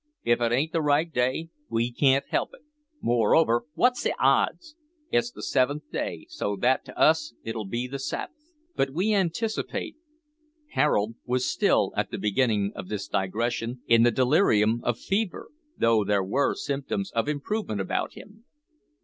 If it ain't the right day, we can't help it; moreover, wot's the odds? It's the seventh day, so that to us it'll be the Sabbath." But we anticipate. Harold was still at the beginning of this digression in the delirium of fever, though there were symptoms of improvement about him.